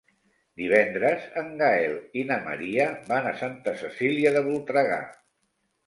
Divendres en Gaël i na Maria van a Santa Cecília de Voltregà.